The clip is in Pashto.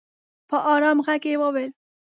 په ارام ږغ یې وویل